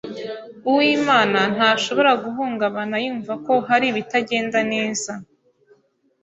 Uwimana ntashobora guhungabana yumva ko hari ibitagenda neza.